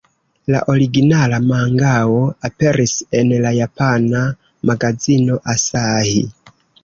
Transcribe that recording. La originala mangao aperis en la japana magazino Asahi.